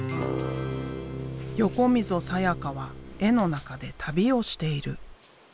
横溝さやかは絵の中で旅をしている。